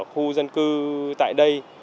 khu dân cư tại đây